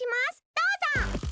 どうぞ！